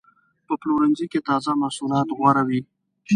په پلورنځي کې تازه محصولات غوره وي.